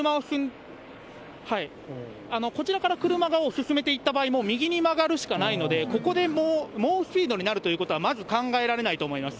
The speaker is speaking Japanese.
こちらから車を進めていった場合も、右に曲がるしかないので、ここで猛スピードになるということはまず考えられないと思います。